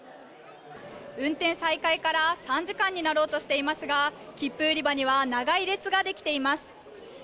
運転再開から３時間になろうとしていますが、切符売り場には長い列が出来ています。